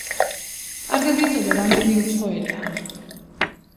კარგად იცოდა რამდენიმე უცხო ენა.